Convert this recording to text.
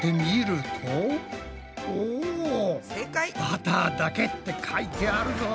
「バターだけ」って書いてあるぞ！